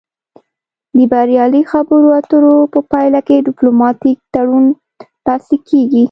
د بریالۍ خبرو اترو په پایله کې ډیپلوماتیک تړون لاسلیک کیږي